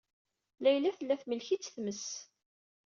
Layla tella temlek-itt tmes.